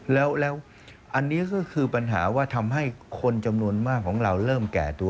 แล้วอันนี้ก็คือปัญหาว่าทำให้คนจำนวนมากของเราเริ่มแก่ตัว